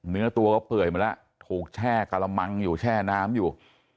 เนื้อตัวก็เปื่อยมาแล้วถูกแช่กระมังอยู่แช่น้ำอยู่